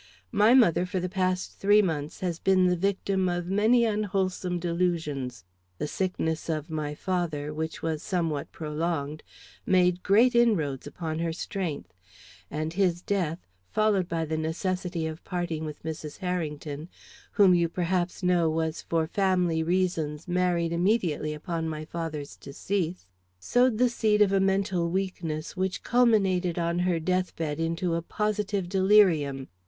"My mother for the past three months has been the victim of many unwholesome delusions. The sickness of my father, which was somewhat prolonged, made great inroads upon her strength; and his death, followed by the necessity of parting with Mrs. Harrington whom you perhaps know was for family reasons married immediately upon my father's decease, sowed the seed of a mental weakness which culminated on her deathbed into a positive delirium.